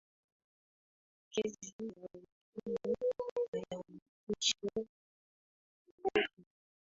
maambukizi ya ukimwi hayamtishi mdudu yeyote